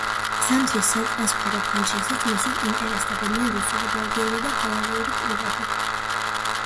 ზამთრის სატრანსფერო ფანჯრისას მისით ინტერესდებოდნენ რუსული, ბელგიური და ჰოლანდიური კლუბები.